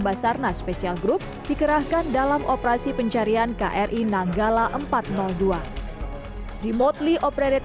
basarnas special group dikerahkan dalam operasi pencarian kri nanggala empat ratus dua remotely operated